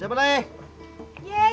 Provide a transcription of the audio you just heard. jangan kapel jangan kapel